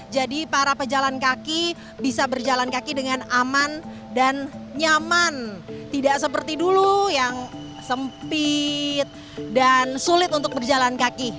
jadi para pejalan kaki bisa berjalan kaki dengan aman dan nyaman tidak seperti dulu yang sempit dan sulit untuk berjalan kaki